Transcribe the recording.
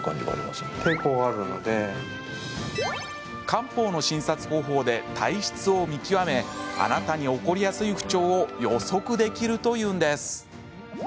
漢方の診察方法で体質を見極めあなたに起こりやすい不調を予測できるというんです。